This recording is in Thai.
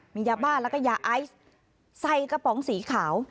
มียาบ้าแล้วก็ยาไอซ์ใส่กระป๋องสีขาว